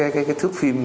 cái thước phim